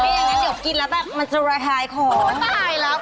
อย่างนั้นเดี๋ยวกินแล้วแบบมันจะรายทายของโอ้โฮรายทายแล้ว